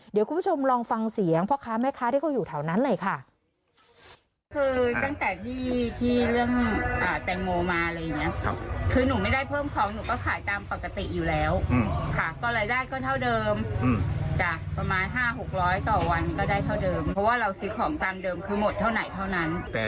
เดี๋ยวคุณผู้ชมลองฟังเสียงพ่อค้าแม่ค้าที่เขาอยู่แถวนั้นหน่อยค่ะ